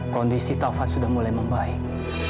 kondisi taufan sudah mulai membaik